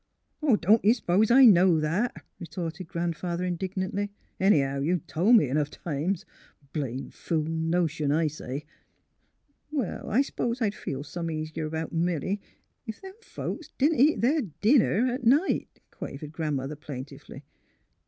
^' Don't ye s'pose I know that? " retorted Grandfather, indignantly. Anyhow, you've tol' me 'nough times. Blame fool notion, I say! "" Well, I s'pose I'd feel some easier 'bout Milly ef them folks didn't eat their dinner at night," quavered Grandmother, plaintively.